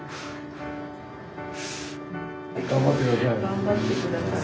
頑張ってください。